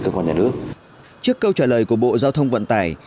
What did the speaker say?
cho cả nước lại bảo là thông cảm